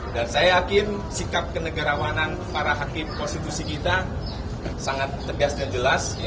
dan saya yakin sikap kenegarawanan para hakim konstitusi kita sangat tegas dan jelas